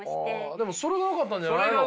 でもそれがよかったんじゃないの？